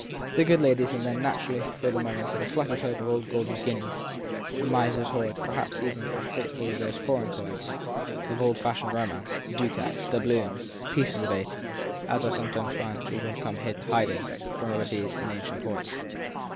The good ladies had naturally had for the moment a fluttered hope of old golden guineas a miser s hoard; perhaps even of a hat ful of those foreign coins of old fashioned romance, ducats, doubloons, pieces of eight, as are sometimes found to have come to hiding, from over seas, in ancient ports.